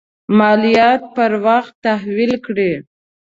مالیات پر وخت تحویل کړي.